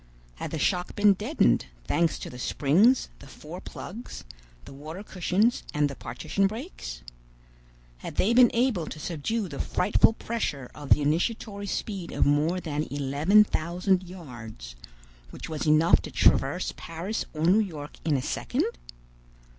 Had the shock been deadened, thanks to the springs, the four plugs, the water cushions, and the partition breaks? Had they been able to subdue the frightful pressure of the initiatory speed of more than 11,000 yards, which was enough to traverse Paris or New York in a second?